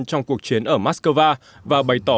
trong cuộc chiến ở moscow và bày tỏ